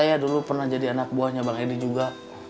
saya dulu pernah jadi anak buahnya bang edi juga